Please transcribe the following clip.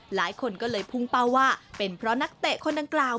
หลายคนก็เลยพุ่งเป้าว่าเป็นเพราะนักเตะคนดังกล่าว